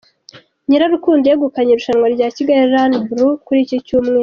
Nyirarukundo yegukanye irushanwa rya Kigali Run Blue kuri iki cyumweru.